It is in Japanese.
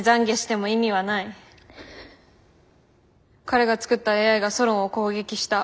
彼が作ったＡＩがソロンを攻撃した。